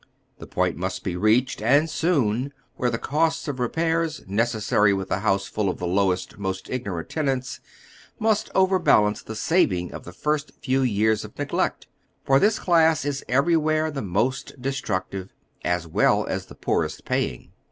The point mnst be reached, and soon, where the cost of repairs, necessary with a house full of the lowest, most ignorant tenants, must overbalance the saving of the first few yeai s of neglect ; for this class is everywhere the most destructive, aa well as the poorest paying.